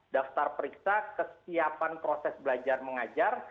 daftar periksa kesiapan proses belajar mengajar